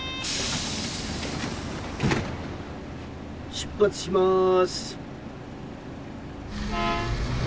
「出発します」。